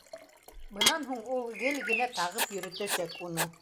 Бынан һуң ул гел генә тағып йөрөтәсәк уны.